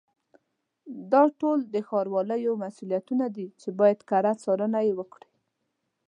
دا ټول د ښاروالیو مسؤلیتونه دي چې باید کره څارنه یې وکړي.